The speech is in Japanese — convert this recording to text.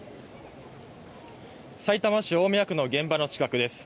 さいたま市大宮区の現場の近くです。